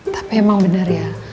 tapi emang bener ya